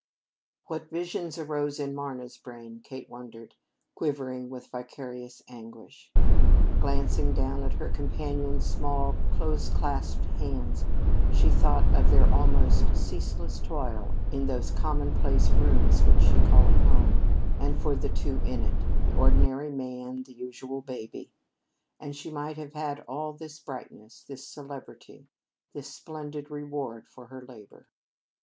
What visions arose in Marna's brain, Kate wondered, quivering with vicarious anguish. Glancing down at her companion's small, close clasped hands, she thought of their almost ceaseless toil in those commonplace rooms which she called home, and for the two in it the ordinary man, the usual baby. And she might have had all this brightness, this celebrity, this splendid reward for high labor!